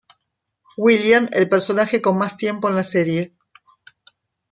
William el personaje con más tiempo en la serie.